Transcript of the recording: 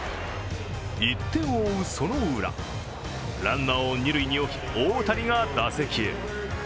１点を追うそのウラ、ランナーを二塁に置き大谷が打席へ。